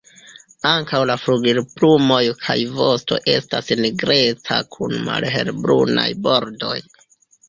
Ankaŭ la flugilplumoj kaj vosto estas nigreca kun malhelbrunaj bordoj.